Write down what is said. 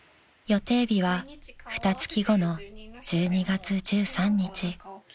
［予定日はふたつき後の１２月１３日］